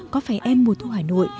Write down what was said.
có phải em mùa thu hà nội